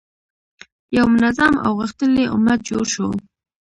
یو منظم او غښتلی امت جوړ شو.